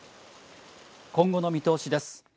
今後の見通しです。